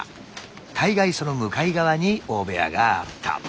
大概その向かい側に大部屋があった。